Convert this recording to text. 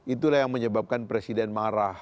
itulah yang menyebabkan presiden marah